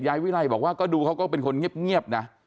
วิรัยบอกว่าก็ดูเขาก็เป็นคนเงียบนะ